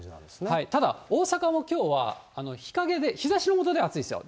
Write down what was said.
はい、ただ大阪もきょうは日陰で、日ざしの下では暑いですよ。